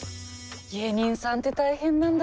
芸人さんって大変なんだね。